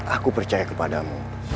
aku percaya kepadamu